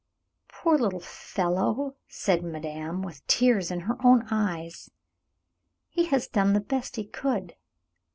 "Poor little fellow!" said madame, with tears in her own eyes. "He has done the best he could.